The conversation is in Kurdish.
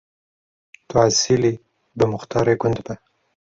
Tu esîlî, bi muxtarê gund be.